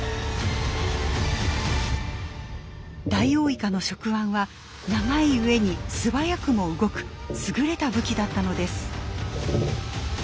ダイオウイカの触腕は長いうえに素早くも動く優れた武器だったのです。